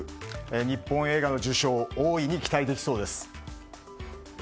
日本映画の受賞大いに期待できそうです。